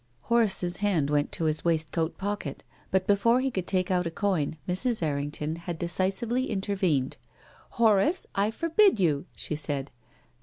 Horace's hand went to his waistcoat pocket, but before he could take out a coin Mrs. Erring ton had decisively intervened. " Horace, I forbid you," she said.